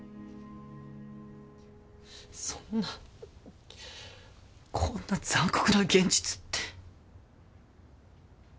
そんなこんな残酷な現実って。